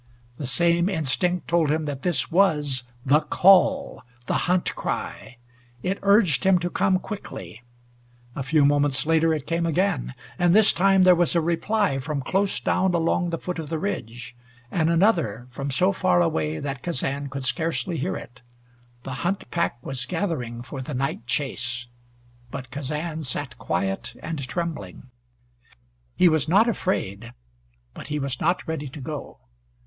The same instinct told him that this was the call the hunt cry. It urged him to come quickly. A few moments later it came again, and this time there was a reply from close down along the foot of the ridge, and another from so far away that Kazan could scarcely hear it. The hunt pack was gathering for the night chase; but Kazan sat quiet and trembling. He was not afraid, but he was not ready to go.